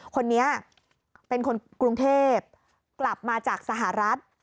คนนี้เป็นคนกรุงเทพกลับมาจากสหรัฐ